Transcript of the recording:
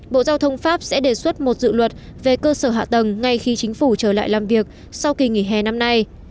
bộ giao thông pháp sẽ đề xuất một dự luật về cơ sở hạ tầng ngay khi chính phủ trở lại làm việc sau kỳ nghỉ hè năm nay